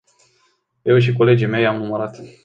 Eu și colegii mei i-am numărat.